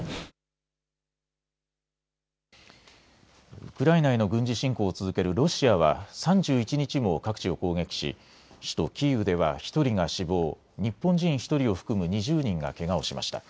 ウクライナへの軍事侵攻を続けるロシアは３１日も各地を攻撃し首都キーウでは１人が死亡、日本人１人を含む２０人がけがをしました。